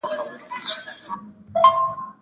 د شولګر اډې څنګ ته د المانیانو قرارګاه وه.